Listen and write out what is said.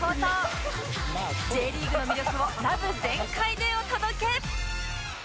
Ｊ リーグの魅力をラブ全開でお届け！